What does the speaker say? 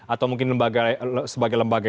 atau mungkin sebagai lembaga